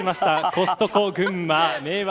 コストコ群馬明和